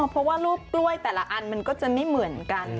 เพราะว่าลูกกล้วยแต่ละอันมันก็จะไม่เหมือนกัน